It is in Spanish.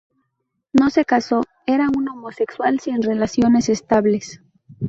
No se casó, era un homosexual sin relaciones estables.